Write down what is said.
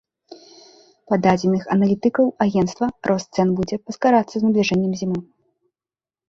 Па дадзеных аналітыкаў агенцтва, рост цэн будзе паскарацца з набліжэннем зімы.